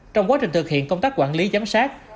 trong quá trình thực hiện công tác quản lý giám sát